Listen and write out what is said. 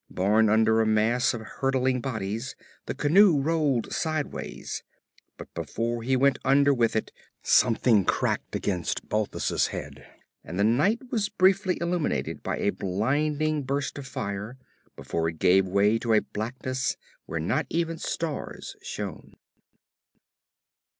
Borne under a mass of hurtling bodies the canoe rolled sidewise, but before he went under with it, something cracked against Balthus' head and the night was briefly illuminated by a blinding burst of fire before it gave way to a blackness where not even stars shone.